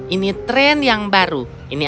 ini tren yang baru